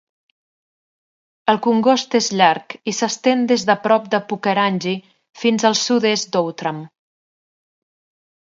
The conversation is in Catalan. El congost és llarg i s'estén des de prop de Pukerangi fins al sud-est d'Outram.